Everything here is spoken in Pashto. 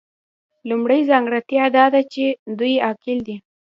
لومړۍ ځانګړتیا دا ده چې دوی عاقل دي.